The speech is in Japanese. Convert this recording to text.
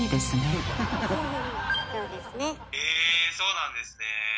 えそうなんですね。